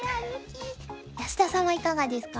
安田さんはいかがですか？